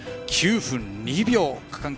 ９分２秒。